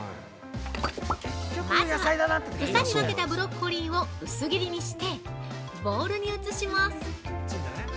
まずは房に分けたブロッコリーを薄切りにして、ボウルに移します！